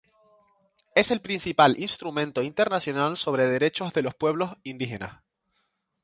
Es el principal instrumento internacional sobre derechos de los pueblos indígenas.